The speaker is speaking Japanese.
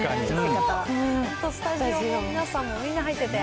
本当、スタジオも皆さんもみんな入ってて。